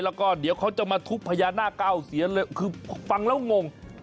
แล้วก็เดี๋ยวเขาจะมาทุบพญานาคเก้าเซียนเลยคือฟังแล้วงง